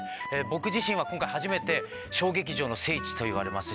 僕自身は今回初めて小劇場の聖地といわれます